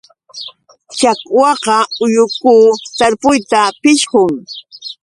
Chakwaqa ulluku tarpuyta pishqun.